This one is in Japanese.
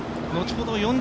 後ほど